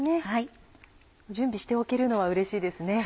準備しておけるのはうれしいですね。